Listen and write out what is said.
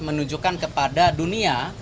menunjukkan kepada dunia